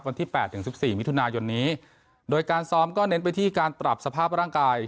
วันที่แปดถึงสิบสี่มิถุนายนนี้โดยการซ้อมก็เน้นไปที่การปรับสภาพร่างกาย